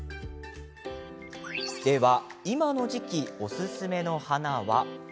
では、今の時期おすすめの花は？